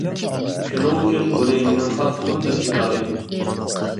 شۇنىڭ ئۈچۈن بۇنى مېنىڭ خاسلىقىم دەپ ئېيتالايمەن.